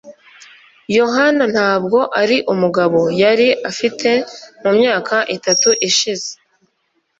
Yohana ntabwo ari umugabo yari afite mu myaka itatu ishize.